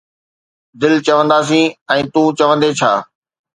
دل چونداسين، ۽ تون چوندين ڇا